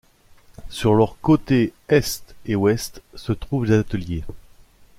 Sur leurs côtés est et ouest se trouve les ateliers.